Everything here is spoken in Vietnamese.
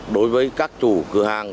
đối với các chủ cửa hàng